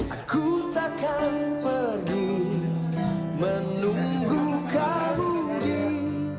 aku takkan pergi menunggu kamu disini